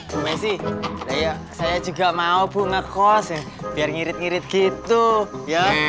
bu messi saya juga mau bu ngekos ya biar ngirit ngirit gitu ya